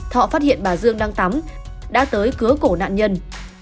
thọ phát hiện bà dương đang tắm đã tới cứa cổ nạn nhân